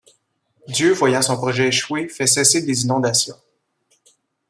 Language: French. Dieu, voyant son projet échouer, fait cesser les inondations.